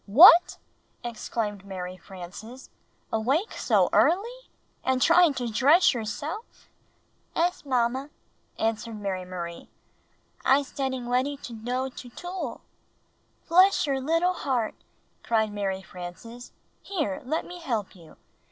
"What!" exclaimed Mary Frances. "Awake so early — and trying to dress yourself? " "'Es, Mamma," answered Mary Marie. "I'se detting weady to doe to tool." "Bless your little heart!" cried Mary Frances. "Here, let me help you!"